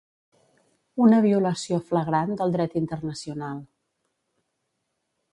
Una violació flagrant del dret internacional.